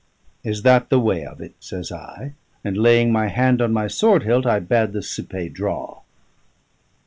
"Is that the way of it?" says I, and laying my hand on my sword hilt I bade the cipaye draw.